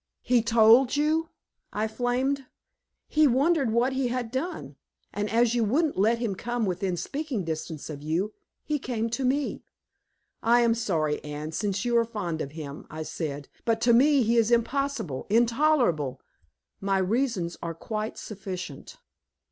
"He told you!" I flamed. "He wondered what he had done. And as you wouldn't let him come within speaking distance of you, he came to me." "I am sorry, Anne, since you are fond of him," I said. "But to me he is impossible intolerable. My reasons are quite sufficient."